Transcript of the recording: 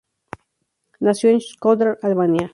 Nació en Shkodër, Albania.